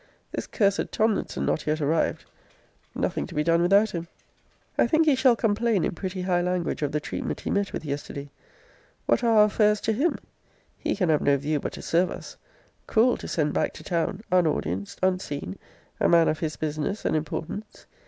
This cursed Tomlinson not yet arrived! Nothing to be done without him. I think he shall complain in pretty high language of the treatment he met with yesterday. 'What are our affairs to him? He can have no view but to serve us. Cruel to send back to town, un audienced, unseen, a man of his business and importance.